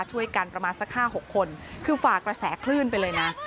ช่วยกันประมาณสัก๕๖คนคือฝ่ากระแสคลื่นไปเลยนะ